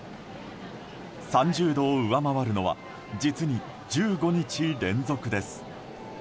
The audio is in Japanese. ３０度を上回るのは実に１５日連続です。